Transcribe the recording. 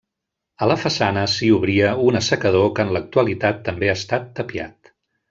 A la façana s'hi obria un assecador que en l'actualitat també ha estat tapiat.